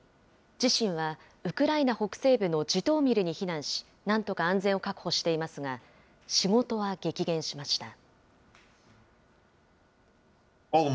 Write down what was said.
自身はウクライナ北西部のジトーミルに避難し、なんとか安全を確保していますが、仕事は激減しました。